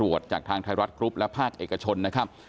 จากทางไทยรัฐกรุ๊ปและภาคเอกชนนะครับ